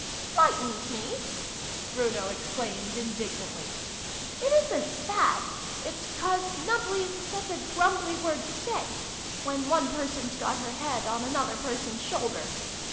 " Flightens me !" Bruno exclaimed indig nantly. "It isn't that \ It's 'cause ' nubbly ' 's such a grumbly word to say when one per son 's got her head on another person's shoul der.